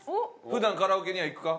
普段カラオケには行くか？